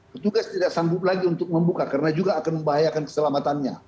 petugas tidak sanggup lagi untuk membuka karena juga akan membahayakan keselamatannya